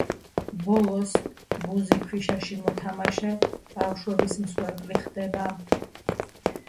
ბოლოს, ბუზი ქვიშაში მოთამაშე ბავშვების მსხვერპლი ხდება.